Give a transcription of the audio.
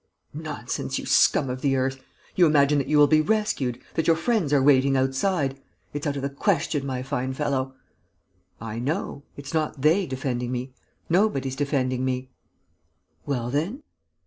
"Nonsense, you scum of the earth! You imagine that you will be rescued ... that your friends are waiting outside? It's out of the question, my fine fellow." "I know. It's not they defending me ... nobody's defending me...." "Well, then?..."